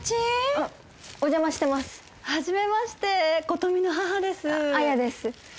あっお邪魔してます・初めまして琴美の母です・彩です